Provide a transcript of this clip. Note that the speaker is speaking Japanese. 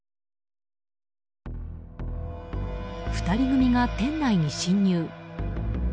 ２人組が店内に侵入。